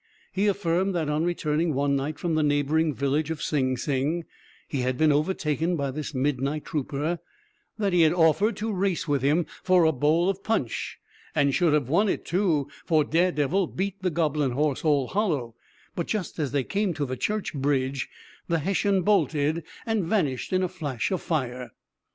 He affirmed that, on returning one night from the neighboring village of Sing Sing, he had been overtaken by this midnight trooper; that he had offered to race with him for a bowl of punch, and should have won it too, for Daredevil beat the goblin horse all hollow, but just as they came to the church bridge the Hessian bolted, and vanished in a flash of fire.